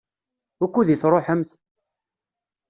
Wukud i tṛuḥemt?